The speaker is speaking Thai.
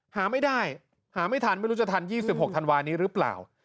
หาไม่ได้หาไม่ทันไม่รู้จะทัน๒๖ธันวานี้หรือเปล่า